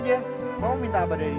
kamu minta apa dari dia